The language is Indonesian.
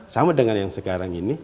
sama dengan yang sekarang ini